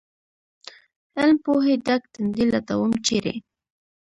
علم پوهې ډک تندي لټوم ، چېرې ؟